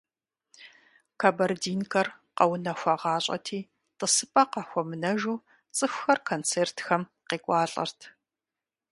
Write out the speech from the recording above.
«Кабардинкэр» къэунэхуагъащӀэти, тӀысыпӀэ къахуэмынэжу цӀыхухэр концертхэм къекӀуалӀэрт.